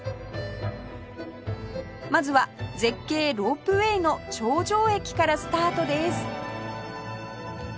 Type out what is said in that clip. まずは絶景ロープウェーの頂上駅からスタートです